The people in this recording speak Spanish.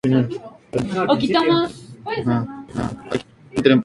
En lo concerniente a su servicio específico, depende de la Dirección General de Tráfico.